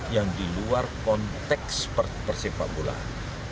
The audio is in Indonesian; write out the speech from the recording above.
yang di luar konteks persepak bolaan